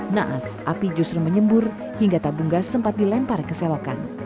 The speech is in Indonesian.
naas api justru menyembur hingga tabung gas sempat dilempar ke selokan